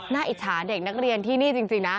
อิจฉาเด็กนักเรียนที่นี่จริงนะ